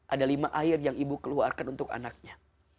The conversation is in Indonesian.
ada lima air yang ibu keluarkan untuk anaknya